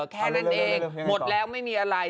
แค่นั้นเองหมดแล้วไม่มีอะไร